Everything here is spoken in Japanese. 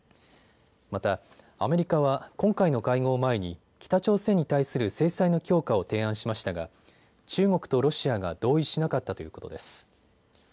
また、アメリカは今回の会合を前に北朝鮮に対する制裁の強化を提案しましたが中国とロシアが同意しなかったということです。